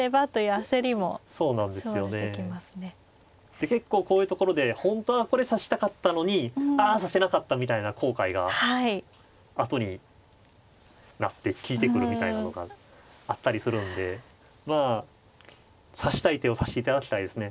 で結構こういうところで本当はこれ指したかったのにあ指せなかったみたいな後悔があとになって利いてくるみたいなのがあったりするんでまあ指したい手を指していただきたいですね。